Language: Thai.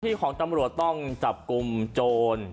ที่ของตำรวจต้องจับกลุ่มโจร